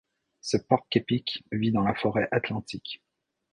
Ce porc-épic vit dans la forêt atlantique.